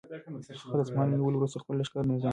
هغه د اصفهان له نیولو وروسته خپل لښکر منظم کړ.